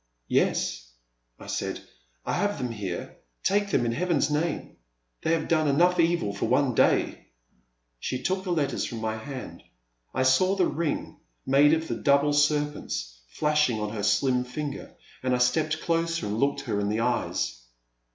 ''Yes,'* I said, I have them here, — take them in Heaven's name ; they have' done enough evil for one day !" She took the letters from my hand ; I saw the ring, made of the double serpents, flashing on her slim finger, and I stepped closer, and looked her in the eyes.